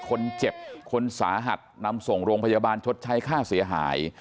คนเจ็บคนสาหัสนำส่งโรงพยาบาลชดใช้ค่าเสียหาย